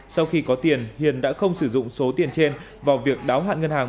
sau khi có tiền hiền đã không sử dụng số tiền trên vào việc đáo hạn ngân hàng